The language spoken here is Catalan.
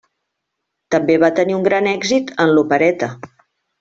També va tenir un gran èxit en l'opereta.